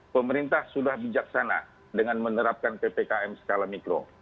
pemerintah sudah bijaksana dengan menerapkan ppkm skala mikro